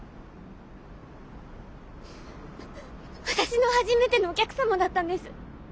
私の初めてのお客様だったんです。